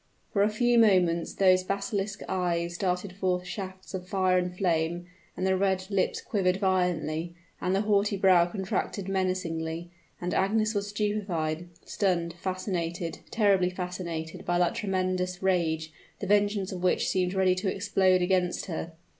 For a few moments those basilisk eyes darted forth shafts of fire and flame, and the red lips quivered violently, and the haughty brow contracted menacingly, and Agnes was stupefied, stunned, fascinated, terribly fascinated by that tremendous rage, the vengeance of which seemed ready to explode against her.